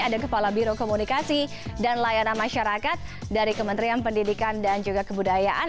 ada kepala biro komunikasi dan layanan masyarakat dari kementerian pendidikan dan juga kebudayaan